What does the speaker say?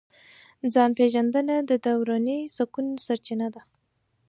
ځان پېژندنه د دروني سکون سرچینه ده.